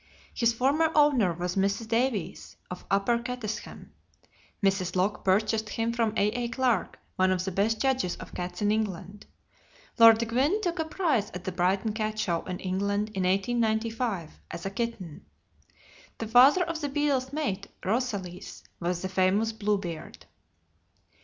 His former owner was Mrs. Davies, of Upper Cattesham. Mrs. Locke purchased him from A.A. Clarke, one of the best judges of cats in England. Lord Gwynne took a prize at the Brighton Cat Show in England in 1895, as a kitten. The father of The Beadle's mate, Rosalys, was the famous "Bluebeard."